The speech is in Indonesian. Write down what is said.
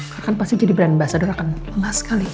karena kan pasti jadi brand ambassador akan lemah sekali